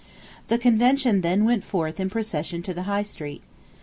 The Convention then went forth in procession to the High Street.